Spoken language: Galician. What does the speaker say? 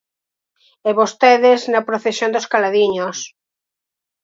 E vostedes na procesión dos Caladiños.